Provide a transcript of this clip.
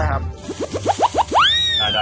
ใช่ครับ